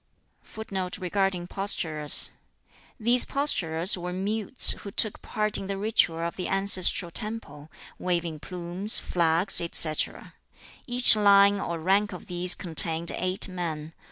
] [Footnote 5: These posturers were mutes who took part in the ritual of the ancestral temple, waving plumes, flags, etc. Each line or rank of these contained eight men.